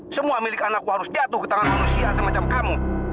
semua milik anakku harus jatuh ke tangan manusia semacam kamu